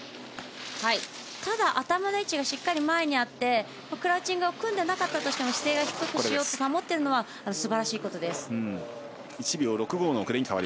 ただ、頭の位置がしっかり前にあってクラウチングを組んでいなかったとしても姿勢を低く保っているのはすばらしいことです。